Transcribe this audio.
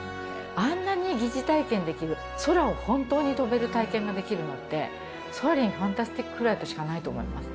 あんなに疑似体験できる、空を本当に飛べる体験ができるのって、ソアリン：ファンタスティック・フライトしかないと思います。